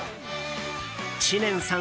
知念さん